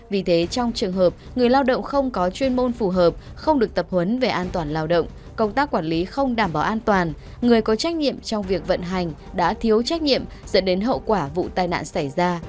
vì thế trong trường hợp người lao động không có chuyên môn phù hợp không được tập huấn về an toàn lao động công tác quản lý không đảm bảo an toàn người có trách nhiệm trong việc vận hành đã thiếu trách nhiệm dẫn đến hậu quả vụ tai nạn xảy ra